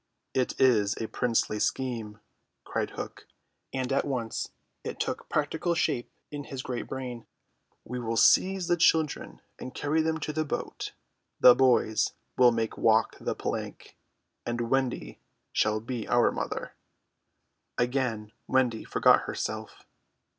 "It is a princely scheme," cried Hook, and at once it took practical shape in his great brain. "We will seize the children and carry them to the boat: the boys we will make walk the plank, and Wendy shall be our mother." Again Wendy forgot herself.